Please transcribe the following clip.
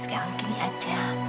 sekarang gini aja